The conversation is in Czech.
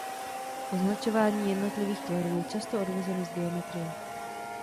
Označování jednotlivých tvarů je často odvozeno z geometrie.